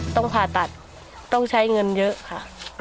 ต้องผ่าตัดต้องใช้เงินเยอะค่ะ